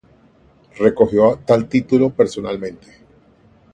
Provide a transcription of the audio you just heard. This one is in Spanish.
Recogió tal título personalmente.